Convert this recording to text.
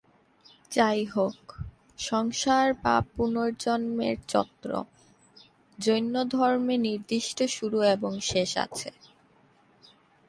যাইহোক, সংসার বা পুনর্জন্মের চক্র, জৈন ধর্মে নির্দিষ্ট শুরু এবং শেষ আছে।